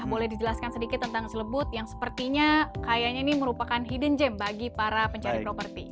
boleh dijelaskan sedikit tentang celebut yang sepertinya kayaknya ini merupakan hidden game bagi para pencari properti